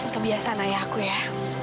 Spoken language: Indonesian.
kebiasaan ayahku ya